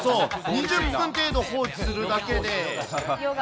２０分程度放置するだけで。